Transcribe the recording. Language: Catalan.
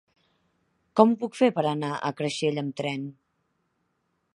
Com ho puc fer per anar a Creixell amb tren?